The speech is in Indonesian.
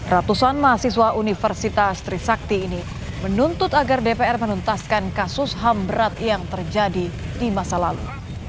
ratusan mahasiswa universitas trisakti ini menuntut agar dpr menuntaskan kasus ham berat yang terjadi di masa lalu